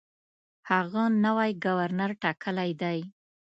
هغه نوی ګورنر ټاکلی دی.